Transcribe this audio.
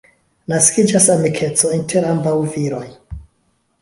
Naskiĝas amikeco inter ambaŭ viroj.